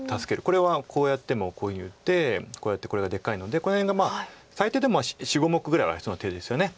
これはこうやってもこういうふうに打ってこうやってこれがでかいのでこの辺が最低でも４５目ぐらいは必要な手ですよね。